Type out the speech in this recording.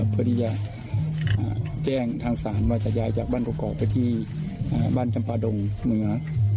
เพื่อที่จะแจ้งทางศาลว่าจะย้ายจากบ้านกรอกไปที่บ้านจำปาดงเหนือ